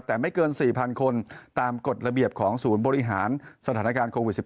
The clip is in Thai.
แต่ไม่เกิน๔๐๐คนตามกฎระเบียบของศูนย์บริหารสถานการณ์โควิด๑๙